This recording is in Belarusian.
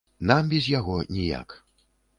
Нам без яго ніяк.